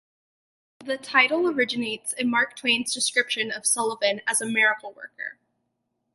The title originates in Mark Twain's description of Sullivan as a "miracle worker".